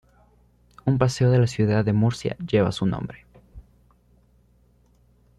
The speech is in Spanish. Un paseo de la ciudad de Murcia lleva su nombre.